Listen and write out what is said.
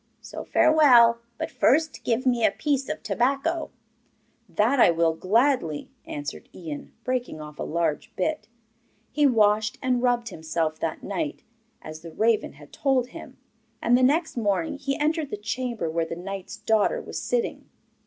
So farewell; but first give me a piece of tobacco.' 'That I will gladly,' answered Ian breaking off a large bit. He washed and rubbed himself that night, as the raven had told him, and the next morning he entered the chamber where the knight's daughter was sitting.